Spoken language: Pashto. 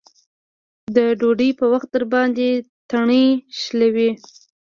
د ډوډۍ په وخت درباندې تڼۍ شلوي.